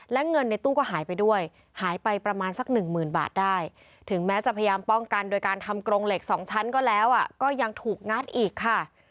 และเงินในตู้ก็หายไปด้วยหายไปประมาณสักหนึ่งหมื่นบาทได้ถึงแม้จะพยายามป้องกันโดยการทำกรงเหล็กสองชั้นก็แล้วก็ยังถูกงัดอีกค่ะ